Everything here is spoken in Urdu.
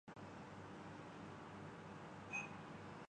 بسم اللہ کیجئے